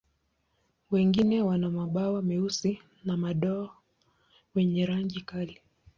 Wengine wana mabawa meusi na madoa wenye rangi kali.